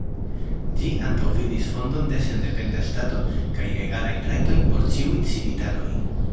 Ĝi antaŭvidis fondon de sendependa ŝtato kaj egalajn rajtojn por ĉiuj civitanoj.